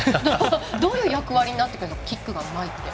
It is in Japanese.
どういう役割になってくるキックがうまいって。